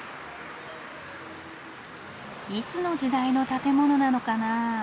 いつの時代の建物なのかなあ。